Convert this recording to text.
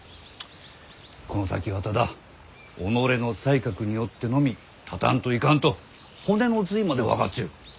この先はただ己の才覚によってのみ立たんといかんと骨の髄まで分かっちゅう。